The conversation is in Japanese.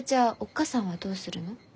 母さんはどうするの？